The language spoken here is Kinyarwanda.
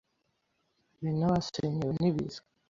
hari ni Abasenyewe n’ibiza,